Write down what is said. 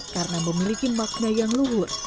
karena memiliki makna yang luhur